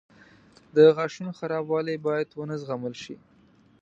• د غاښونو خرابوالی باید ونه زغمل شي.